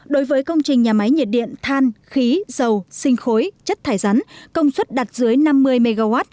đối với công trình nhà máy nhiệt điện than khí dầu sinh khối chất thải rắn công suất đặt dưới năm mươi mw